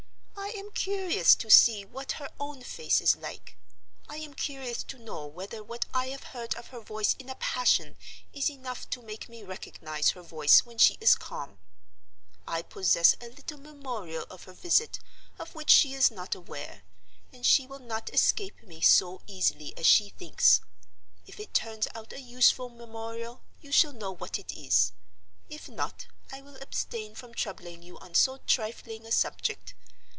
I am curious to see what her own face is like. I am curious to know whether what I have heard of her voice in a passion is enough to make me recognize her voice when she is calm. I possess a little memorial of her visit of which she is not aware, and she will not escape me so easily as she thinks. If it turns out a useful memorial, you shall know what it is. If not, I will abstain from troubling you on so trifling a subject.